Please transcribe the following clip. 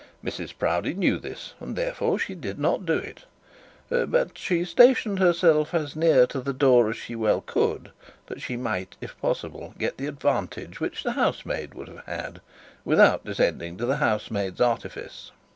Mrs Proudie knew this, and therefore she did not do it; but she stationed herself as near to the door as she well could, that she might, if possible, get the advantage which the housemaid would have had, without descending to the housemaid's artifice.